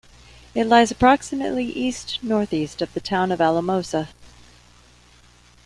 It lies approximately east-northeast of the town of Alamosa.